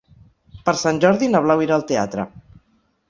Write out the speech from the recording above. Per Sant Jordi na Blau irà al teatre.